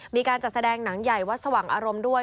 มีการจัดแสดงหนังใหญ่วัดสว่างอารมณ์ด้วย